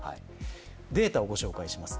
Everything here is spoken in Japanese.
データをご紹介します。